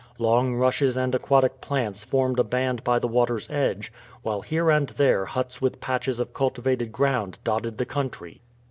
Long rushes and aquatic plants formed a band by the water's edge, while here and there huts with patches of cultivated ground dotted the country.